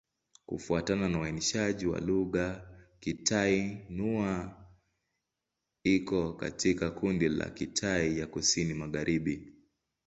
Kufuatana na uainishaji wa lugha, Kitai-Nüa iko katika kundi la Kitai ya Kusini-Magharibi.